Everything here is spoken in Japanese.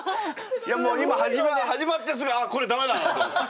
いやもう今始まってすぐあっこれ駄目だなと思って。